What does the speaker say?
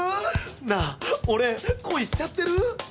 なあ俺恋しちゃってる？